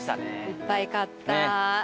いっぱい買った。